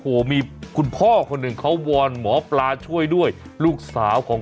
โอ้โหมีคุณพ่อคนหนึ่งเขาวอนหมอปลาช่วยด้วยลูกสาวของ